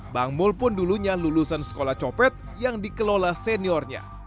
bang mul pun dulunya lulusan sekolah copet yang dikelola seniornya